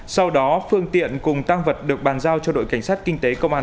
sau đó phương tiện cùng tăng vật được bàn giao cho đội cảnh sát kinh tế công an